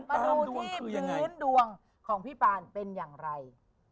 มาดูที่พื้นดวงของพี่ปานเป็นอย่างไร